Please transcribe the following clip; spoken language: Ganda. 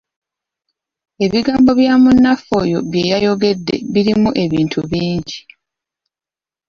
Ebigambo bya munnaffe oyo bye yayogedde birimu ebintu bingi.